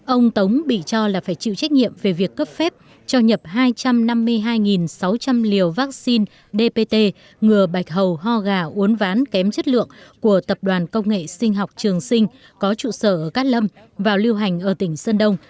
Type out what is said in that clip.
ông tống bị cho là phải chịu trách nhiệm về việc cấp phép cho nhập hai trăm năm mươi hai sáu trăm linh liều vaccine dpt ngừa bạch hầu ho gà uốn ván kém chất lượng của tập đoàn công nghệ sinh học trường sinh có trụ sở ở cát lâm vào lưu hành ở tỉnh sơn đông